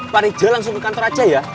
pari jalan langsung ke kantor aja ya